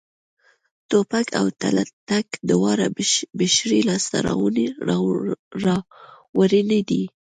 ټوپک او تلتک دواړه بشري لاسته راوړنې دي